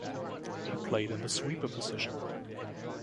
He played in the sweeper position.